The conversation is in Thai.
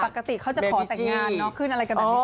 ปกติเขาจะขอแต่งงานเนาะขึ้นอะไรกันแบบนี้